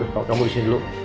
kamu disini dulu